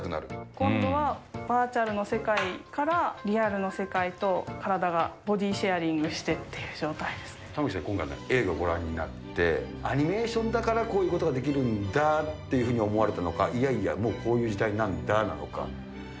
今度はバーチャルの世界からリアルの世界と体がボディシェア玉城さん、今回映画ご覧になって、アニメーションだからこういうことができるんだっていうふうに思われたのか、いやいや、もうこういう時代なんだなのか。